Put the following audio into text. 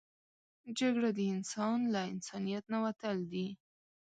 جګړه د انسان له انسانیت نه وتل دي